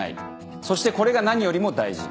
そしてこれが何よりも大事。